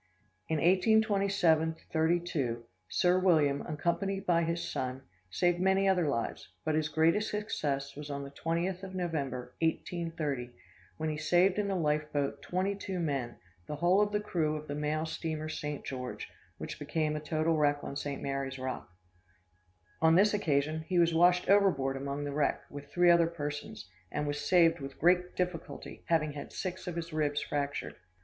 In 1827 32, Sir William, accompanied by his son, saved many other lives; but his greatest success was on the 20th of November, 1830, when he saved in the life boat twenty two men, the whole of the crew of the mail steamer St. George, which became a total wreck on St. Mary's Rock. On this occasion he was washed overboard among the wreck, with three other persons, and was saved with great difficulty, having had six of his ribs fractured."